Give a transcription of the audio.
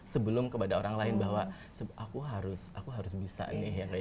sebelum kepada orang lain bahwa aku harus aku harus bisa nih